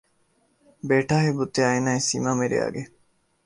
بیٹھا ہے بت آئنہ سیما مرے آگے